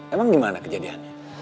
emang gimana kejadiannya